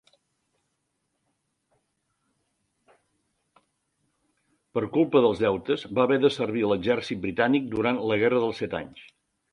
Per culpa dels deutes, va haver de servir a l'exèrcit britànic durant la Guerra dels Set Anys.